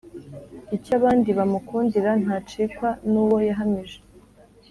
Icyo abandi bamukundira ntacikwa n’uwo yahamije.